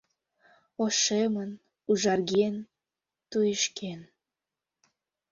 Ошемын, ужарген, туешкен.